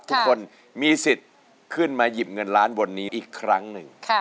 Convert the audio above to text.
ทุกคนมีสิทธิ์ขึ้นมาหยิบเงินล้านบนนี้อีกครั้งหนึ่ง